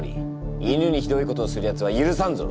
犬にひどいことをするやつはゆるさんぞ！